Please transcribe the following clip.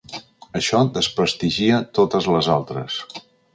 Això desprestigia totes les altres.